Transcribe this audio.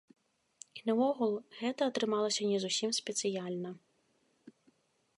І наогул, гэта атрымалася не зусім спецыяльна.